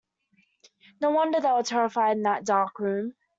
No wonder they were terrified in that dark room.